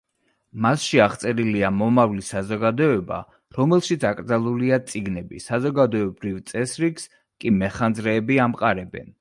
მასში აღწერილია მომავლის საზოგადოება, რომელშიც აკრძალულია წიგნები, საზოგადოებრივ წესრიგს კი მეხანძრეები ამყარებენ.